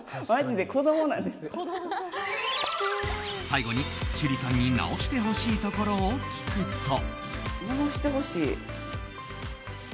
最後に趣里さんに直してほしいところを聞くと。